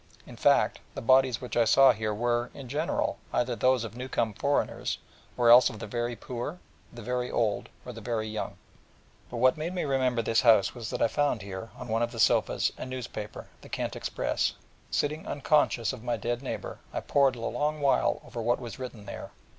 In fact, the bodies which I saw here were, in general, either those of new come foreigners, or else of the very poor, the very old, or the very young. But what made me remember this house was that I found here on one of the sofas a newspaper: The Kent Express; and sitting unconscious of my dead neighbour, I pored a long while over what was written there.